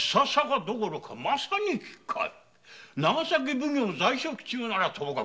奉行在職中ならともかく